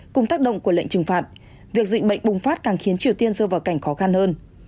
cùng tác động của lệnh trừng phạt việc dịch bệnh bùng phát càng khiến triều tiên rơi vào cảnh khó khăn hơn